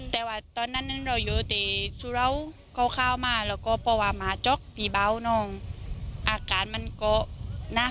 แต่ว่าตอนนั้นเราอยู่แต่สุราคร่าวมาแล้วก็เพราะว่าหมาจ๊อกพี่เบาน้องอาการมันก็นะ